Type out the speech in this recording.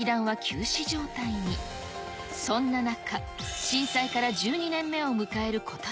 そんな中。